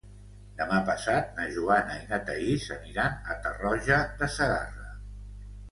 Demà passat na Joana i na Thaís aniran a Tarroja de Segarra.